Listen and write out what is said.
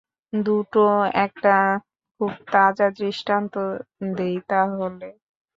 দুটো একটা খুব তাজা দৃষ্টান্ত দিই তা হলে।